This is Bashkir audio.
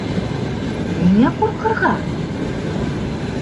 Ниңә ҡурҡырға?